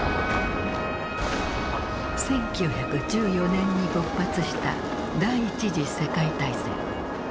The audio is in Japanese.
１９１４年に勃発した第一次世界大戦。